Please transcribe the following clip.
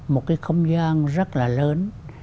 một cái không gian rất là lớn